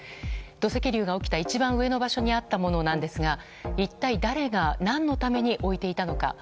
土石流が起きた一番上にあったものなんですが一体誰が何のために置いていたのか。